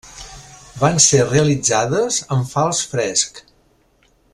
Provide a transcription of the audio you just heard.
Van ser realitzades en fals fresc.